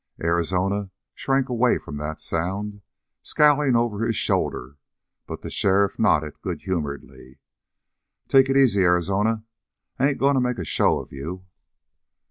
Arizona shrank away from that sound, scowling over his shoulder, but the sheriff nodded good humoredly. "Take it easy, Arizona. I ain't going to make a show of you!"